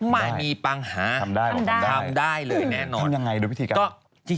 ไม่มีปัญหาทำได้เลยแน่นอน